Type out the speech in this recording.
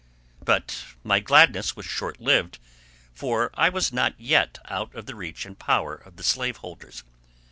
But my gladness was short lived, for I was not yet out of the reach and power of the slave holders.